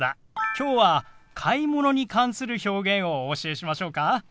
今日は買い物に関する表現をお教えしましょうか？